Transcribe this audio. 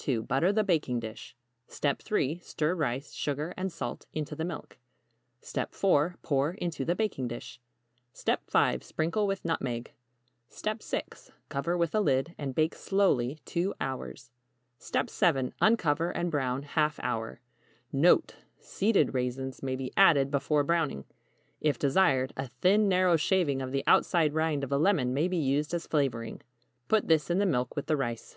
2. Butter the baking dish. 3. Stir rice, sugar and salt into the milk. 4. Pour into the baking dish. 5. Sprinkle with nutmeg. 6. Cover with a lid, and bake slowly 2 hours. 7. Uncover and brown ½ hour. NOTE. Seeded raisins may be added before browning. If desired, a thin narrow shaving of the outside rind of a lemon may be used as flavoring. Put this in the milk with the rice.